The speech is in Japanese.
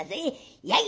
やい！